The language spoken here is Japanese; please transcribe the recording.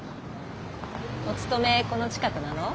お勤めこの近くなの？